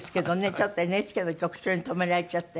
ちょっとＮＨＫの局長に止められちゃって。